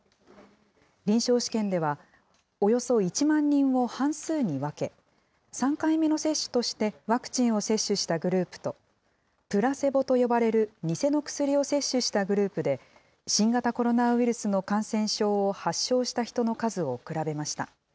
臨床試験では、およそ１万人を半数に分け、３回目の接種としてワクチンを接種したグループと、プラセボと呼ばれる偽の薬を接種したグループで、新型コロナウイルスの感染症を発症した人の数を比べました。